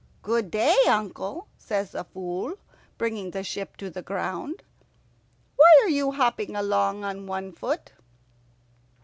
"Good day, uncle," says the Fool, bringing the ship to the ground. "Why are you hopping along on one foot?"